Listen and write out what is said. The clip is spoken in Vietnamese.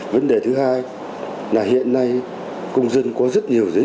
vấn đề thứ hai là hiện nay công dân có rất nhiều dữ liệu